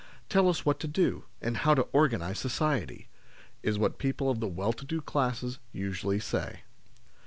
"Tell us what to do, and how to organise society ?" is what people of the well to do classes usually say.